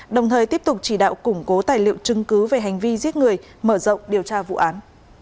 đồng thời tiếp tục chỉ đạo củng cố tài liệu chứng cứ về hành vi giết người mở rộng điều tra vụ án